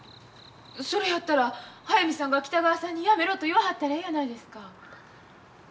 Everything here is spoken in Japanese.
それやったら速水さんが北川さんにやめろと言わはったらええやないですか。